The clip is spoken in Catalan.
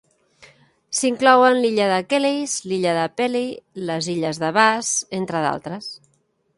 S'inclouen la illa de Kelleys, la illa de Pelle, les illes de Bass, entre d'altres.